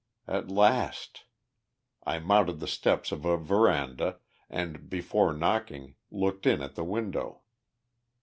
At last! I mounted the steps of a veranda, and, before knocking, looked in at the window.